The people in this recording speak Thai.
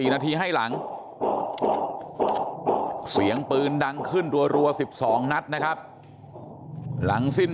นาทีให้หลังเสียงปืนดังขึ้นรัว๑๒นัดนะครับหลังสิ้น